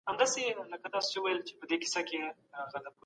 ځیني خلګ له هرې لاري سرمایه ټولوي.